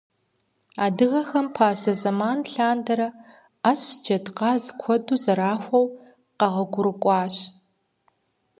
Адыгэхэм пасэ зэман лъандэрэ Ӏэщ, джэдкъаз куэду зэрахуэу къэгъуэгурыкӀуащ.